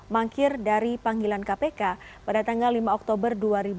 mangkir dari panggilan kpk pada tanggal lima oktober dua ribu dua puluh